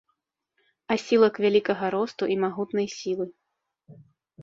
Асілак вялікага росту і магутнай сілы.